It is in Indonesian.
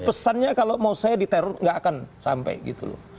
pesannya kalau mau saya diteror nggak akan sampai gitu loh